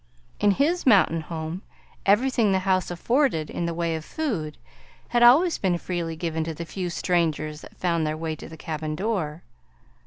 In his mountain home everything the house afforded in the way of food had always been freely given to the few strangers that found their way to the cabin door.